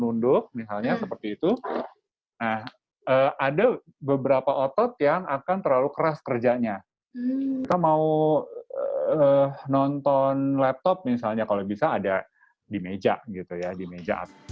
unduk misalnya seperti itu ada beberapa otot yang akan terlalu keras kerjanya mau nonton laptop misalnya kalau bisa nonton laptop misalnya kalau bisa nonton laptop misalnya kalau bisa